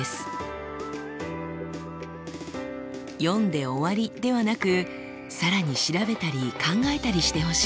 読んで終わりではなく更に調べたり考えたりしてほしい。